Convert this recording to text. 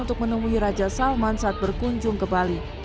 untuk menemui raja salman saat berkunjung ke bali